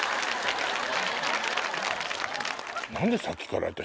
何でさっきから私。